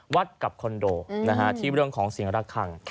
วัดกับคอนโดที่เรื่องของเสียงระคัง